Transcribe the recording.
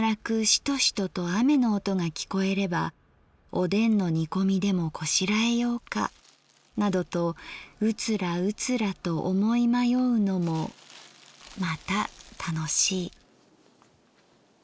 シトシトと雨の音がきこえればおでんの煮込みでもこしらえようかなどとうつらうつらと思い迷うのもまた楽しい」。